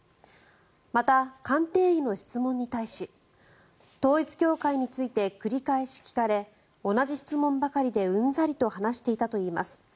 また、鑑定医の質問に対し統一教会について繰り返し聞かれ同じ質問ばかりでうんざりと話していたといいます。